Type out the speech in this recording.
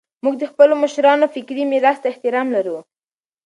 موږ د خپلو مشرانو فکري میراث ته احترام لرو.